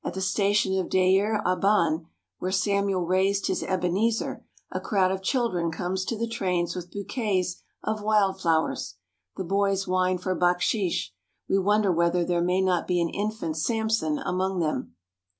At the station of Deir Aban, where Samuel raised his Ebenezer, a crowd of children comes to the trains with bouquets of wild flowers. The boys whine for baksheesh. We wonder whether there may not be an infant Samson among them.